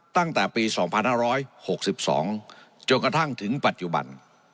ตั้งแต่ปี๒๕๖๒จนกระทั่งถึงปัจจุบัน